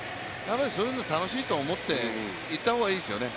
そういうの楽しいと思っていった方がいいですよね。